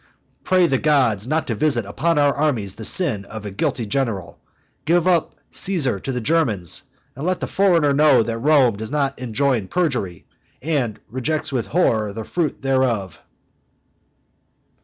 Pray the gods not to visit upon our armies the sin of a guilty general. Give up Caesar to the Germans, and let the foreigner know that Rome does not enjoin perjury, and rejects with horror the fruit thereof!"